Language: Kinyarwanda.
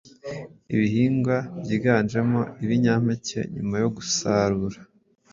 ibihingwa byiganjemo ibinyampeke Nyuma yo gusarura